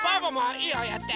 いいよやって。